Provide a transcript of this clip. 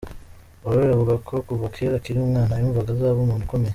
Aurore avuga ko kuva kera akiri umwana, yumvaga azaba umuntu ukomeye.